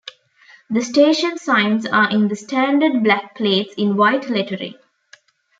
The station signs are in the standard black plates in white lettering.